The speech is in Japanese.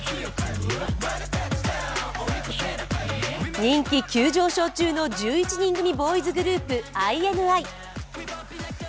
人気急上昇中の１１人組ボーイズグループ、ＩＮＩ。